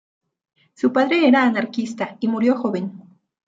Su padre era anarquista y murió joven.